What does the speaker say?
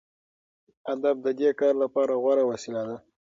ادب د دې کار لپاره غوره وسیله ده.